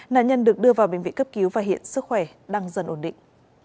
nạn nhân được đưa vào bệnh viện cấp cứu và hiện sức khỏe đang dần ổn định